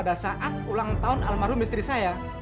dalam alam rumah istri saya